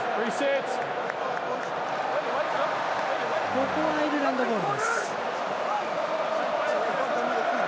ここはアイルランドボール。